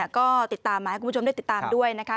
ก็ติดตามมาให้คุณผู้ชมได้ติดตามด้วยนะคะ